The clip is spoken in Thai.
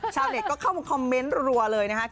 ชาวเน็ตก็เข้ามาคอมเมนต์รัวเลยนะคะ